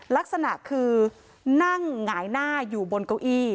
ลักษณะคือนั่งหงายหน้าอยู่บนเก้าอี้